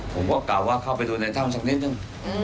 ผมก็กล่าวว่าเข้าไปดูในถ้ำสักนิดนึง